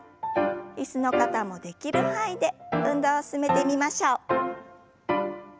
椅子の方もできる範囲で運動を進めてみましょう。